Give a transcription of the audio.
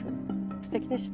素敵でしょ？